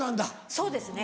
そうですね。